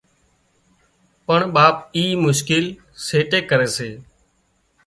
پڻ ٻاپ اي مشڪل سيٽي ڪري سي